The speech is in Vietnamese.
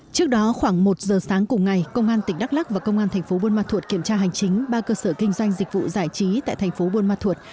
trước đó khoảng một giờ sáng cùng ngày công an tỉnh đắk lắc và công an thành phố buôn ma thuột kiểm tra hành chính ba cơ sở kinh doanh dịch vụ giải trí tại thành phố buôn ma thuột